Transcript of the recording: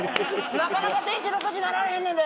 なかなか「ゼンチン」の口になられへんねんで。